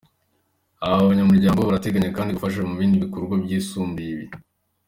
Aba banyamuryango barateganya kandi gufasha mu bindi bikorwa bisumbye ibi.